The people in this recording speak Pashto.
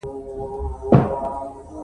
غزني د افغانستان د پوهنې نصاب کې شامل دي.